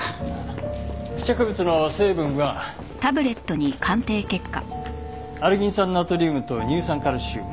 付着物の成分はアルギン酸ナトリウムと乳酸カルシウム